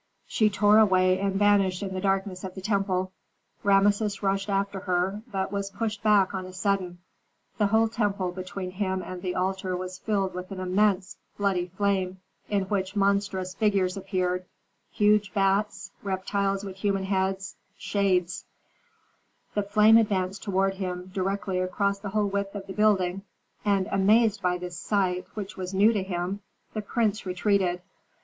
She tore away and vanished in the darkness of the temple. Rameses rushed after her, but was pushed back on a sudden. The whole temple between him and the altar was filled with an immense bloody flame, in which monstrous figures appeared, huge bats, reptiles with human heads, shades The flame advanced toward him directly across the whole width of the building; and, amazed by this sight, which was new to him, the prince retreated.